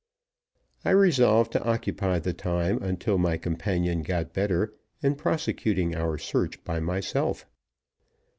I resolved to occupy the time until my companion got better in prosecuting our search by myself.